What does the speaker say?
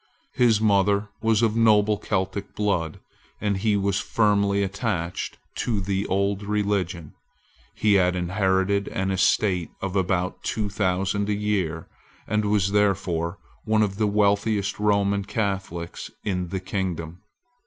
His mother was of noble Celtic blood; and he was firmly attached to the old religion. He had inherited an estate of about two thousand a year, and was therefore one of the wealthiest Roman Catholics in the kingdom.